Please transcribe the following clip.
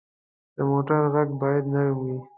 د موټر غږ باید نرم وي.